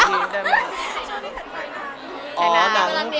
หรือว่าจะแค่นั้น